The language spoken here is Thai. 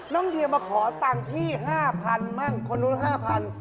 น้องเดียมาขอตังค์ที่๕๐๐๐บาทมั่งคนรู้๕๐๐๐บาท